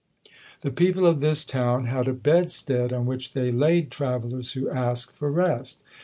The people of this town had a bedstead on which they laid travellers who asked for rest.